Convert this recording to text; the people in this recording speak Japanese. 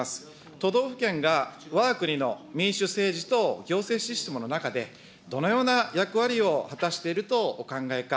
都道府県がわが国の民主政治と行政システムの中で、どのような役割を果たしているとお考えか。